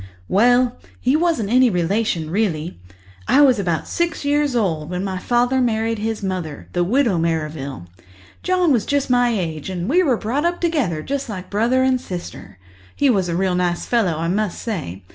"Well, he wasn't any relation really. I was about six years old when my father married his mother, the Widow Merrivale. John was just my age, and we were brought up together just like brother and sister. He was a real nice fellow, I must say.